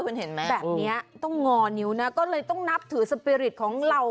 คุณเห็นไหมแบบนี้ต้องงอนิ้วนะก็เลยต้องนับถือสปีริตของเรา